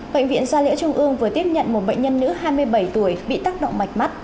bệnh viện gia liễu trung ương vừa tiếp nhận một bệnh nhân nữ hai mươi bảy tuổi bị tác động mạch mắt